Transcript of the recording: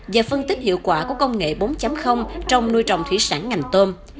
và phân tích hiệu quả của công nghệ bốn trong nuôi trồng thủy sản ngành tôm